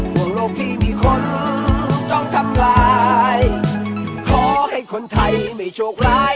ห่วงโลกที่มีคนต้องทำลายขอให้คนไทยไม่โชคร้าย